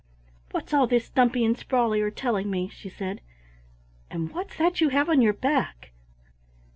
"What's all this Dumpy and Sprawley are telling me?" she said. "And what's that you have on your back?"